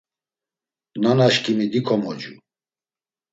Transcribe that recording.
Nanaşǩimi dikomocu.